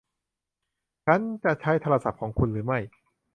ฉันจะใช้โทรศัพท์ของคุณหรือไม่